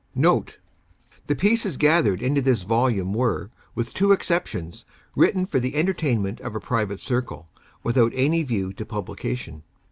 NOTE. The pieces gathered into this volume were, with two exceptions, written for the entertainment of a private circle, without any view to publication.